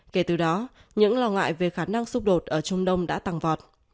kể từ đó những lo ngại về khả năng xung đột ở trung đông đã tăng vọt